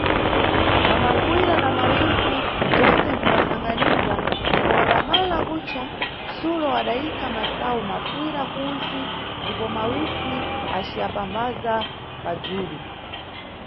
Na mafuyira na mawisi, bzense nʼkumbasangabiza, ipo wadamala kutca, Sulo adayikha masayu nafuyira kunsi, ndipo mawisi aciyapamphaza padzulu.